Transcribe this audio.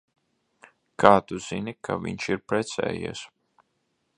Kā tu zini, ka viņš ir precējies?